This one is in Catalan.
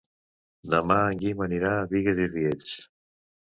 Demà en Guim anirà a Bigues i Riells.